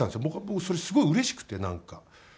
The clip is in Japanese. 僕はそれがすごいうれしくてなんか。